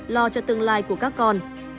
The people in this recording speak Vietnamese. lo cho tương lai của các con